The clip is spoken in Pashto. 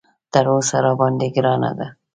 تر اوسه راباندې ګرانه ده.